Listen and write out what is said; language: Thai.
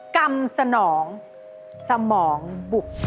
กรรมสนองสมองบุพันธุ์